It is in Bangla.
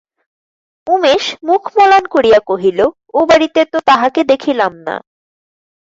উমেশ মুখ মলান করিয়া কহিল, ও বাড়িতে তো তাঁহাকে দেখিলাম না।